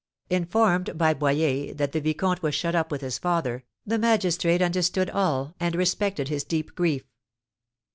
Informed by Boyer that the vicomte was shut up with his father, the magistrate understood all, and respected his deep grief.